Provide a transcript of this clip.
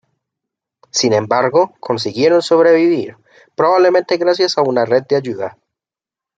Sin embargo, consiguieron sobrevivir, probablemente gracias a una red de ayuda.